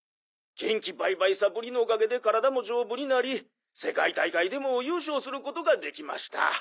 「元気倍々サプリのおかげで体も丈夫になり世界大会でも優勝することができました」